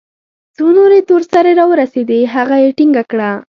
څو نورې تور سرې راورسېدې هغه يې ټينګه كړه.